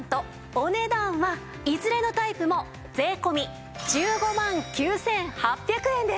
お値段はいずれのタイプも税込１５万９８００円です。